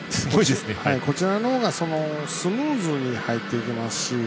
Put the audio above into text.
こちらのほうがスムーズに入っていけますし。